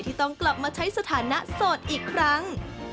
ต้องกลับมาใช้สถานะโสดอีกครั้ง